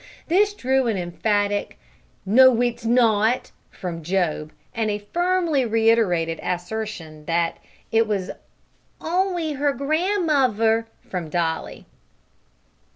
This drew an emphatic, "No, it's not," from Job, and a firmly reiterated assertion that it was "only her gan muver" from Dolly.